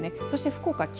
そして福岡